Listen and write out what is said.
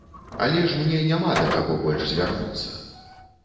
Але ж мне няма да каго больш звярнуцца.